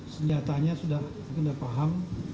senjatanya sudah mungkin sudah paham